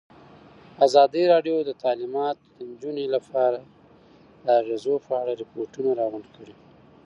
ازادي راډیو د تعلیمات د نجونو لپاره د اغېزو په اړه ریپوټونه راغونډ کړي.